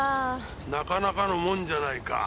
なかなかのもんじゃないか。